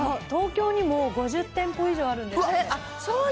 東京にも５０店舗以上あるんですって。